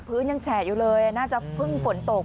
พื้นยังแฉะอยู่เลยน่าจะเพิ่งฝนตก